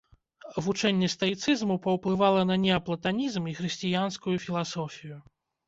Вучэнне стаіцызму паўплывала на неаплатанізм і хрысціянскую філасофію.